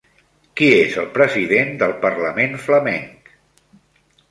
Qui és el president del parlament flamenc?